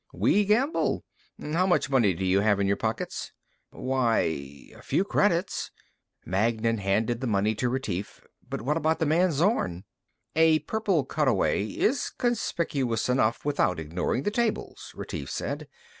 "We gamble. How much money do you have in your pockets?" "Why ... a few credits." Magnan handed the money to Retief. "But what about the man Zorn?" "A purple cutaway is conspicuous enough, without ignoring the tables," Retief said.